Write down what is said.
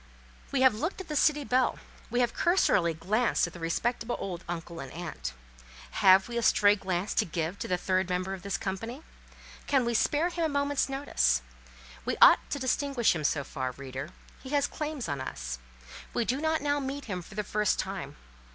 We have looked at the city belle; we have cursorily glanced at the respectable old uncle and aunt. Have we a stray glance to give to the third member of this company? Can we spare him a moment's notice? We ought to distinguish him so far, reader; he has claims on us; we do not now meet him for the first time.